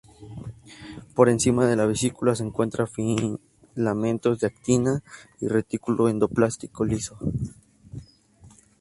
Por encima de la vesícula se encuentran filamentos de actina y retículo endoplasmático liso.